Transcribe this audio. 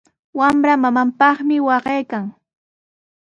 Wamra mamanpaqmi waqaykan.